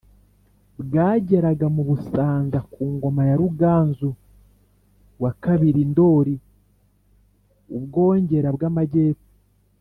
Bwageraga mu busanza ku ngoma ya ruganzu ii ndori u bwongera bw amagepfo